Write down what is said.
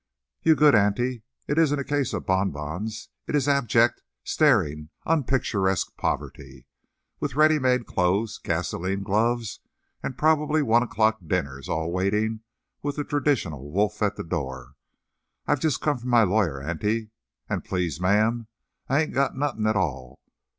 "You good auntie, it isn't a case of bonbons; it is abject, staring, unpicturesque poverty, with ready made clothes, gasolined gloves, and probably one o'clock dinners all waiting with the traditional wolf at the door. I've just come from my lawyer, auntie, and, 'Please, ma'am, I ain't got nothink 't all.